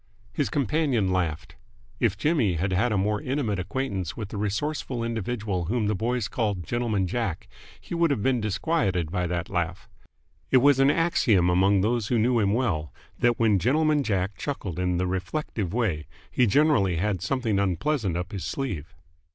His companion laughed. If Jimmy had had a more intimate acquaintance with the resourceful individual whom the "boys" called Gentleman Jack, he would have been disquieted by that laugh. It was an axiom among those who knew him well, that when Gentleman Jack chuckled in the reflective way, he generally had something unpleasant up his sleeve.